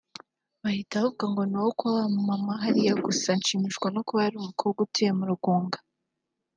bahita bavuga ngo ni uwo kwa wa mu Mama hariya gusa nshimishwa nuko ari umukobwa utuye mu Rugunga"